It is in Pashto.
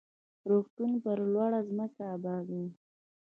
روغتون پر لوړه ځمکه اباد و.